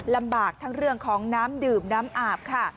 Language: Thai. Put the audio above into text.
ลำบากทั้งเรื่องของน้ำดื่มน้ำอาบค่ะ